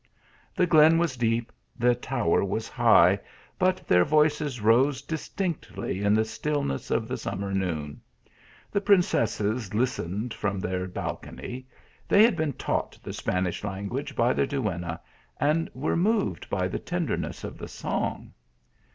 The glen was deep, the tower was high, but their voices rose distinctly in the stillness of the summer noon. The princesses listened from their balcony ; they had been taught the Spanish language by their duenna, and were moved by the tenderness of the song.